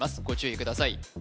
ご注意ください